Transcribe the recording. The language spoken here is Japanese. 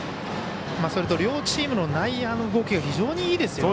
それと両チームの内野の動きが非常にいいですよね。